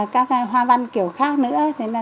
các hoa văn kiểu khác nữa